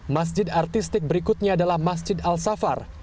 masjid artistik berikutnya adalah masjid al safar